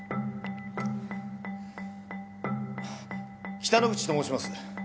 北之口と申します。